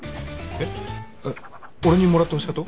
えっ俺にもらってほしかと？